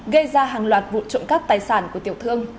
gây ra hàng loạt vụ trộn các tài sản của tiểu thương